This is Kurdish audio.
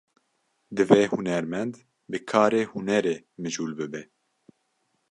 Divê hunermend, bi karê hunerê mijûl bibe